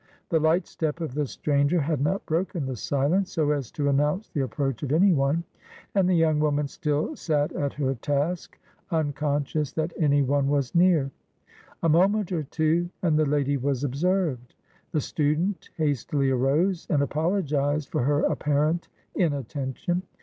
The light step of the stranger had not broken the silence, so as to announce the approach of any one, and the young woman still sat at her task, unconscious that any one was near. A moment or two, and the lady was observed. The student hastily arose and apologized for her apparent inattention.